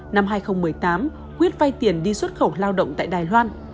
năm hai nghìn một mươi tám quyết vay tiền đi xuất khẩu lao động tại đài loan